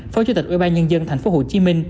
phó chủ tịch ủy ban nhân dân tp hcm